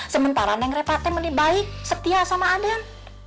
sementara neng repah teh mending baik setia sama aden